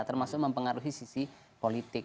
termasuk mempengaruhi sisi politik